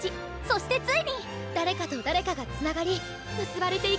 そしてついに誰かと誰かがつながり結ばれていく。